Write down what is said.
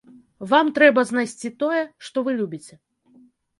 Вам трэба знайсці тое, што вы любіце.